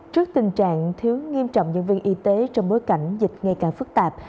trước tình trạng thiếu nghiêm trọng nhân viên y tế trong bối cảnh dịch ngày càng phức tạp